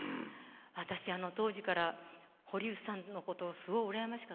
私あの当時から堀内さんのことすごい羨ましかったの。